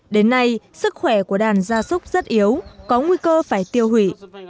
đến nay sức khỏe của đàn gia súc rất yếu có nguy cơ phải tiêu hủy